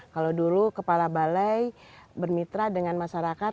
kalau dulu kepala balai bermitra dengan masyarakat